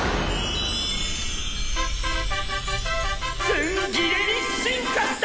ツンギレに進化した！